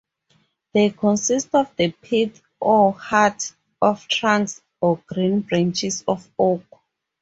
They consist of the pith or heart of trunks or great branches of oak.